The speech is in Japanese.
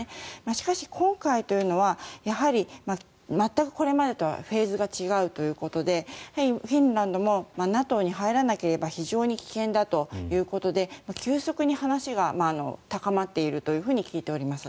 しかし、今回というのはやはり、全くこれまでとはフェーズが違うということでフィンランドもＮＡＴＯに入らなければ非常に危険だということで急速に話が高まっていると聞いています。